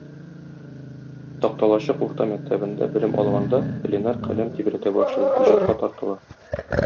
Такталачык урта мәктәбендә белем алганда, Ленар каләм тибрәтә башлый, иҗатка тартыла.